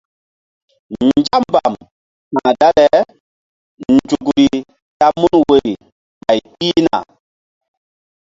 Nzak mbam ka̧h dale nzukri ta mun woyri ɓay pihna.